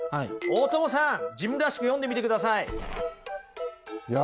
大友さん自分らしく読んでみてください。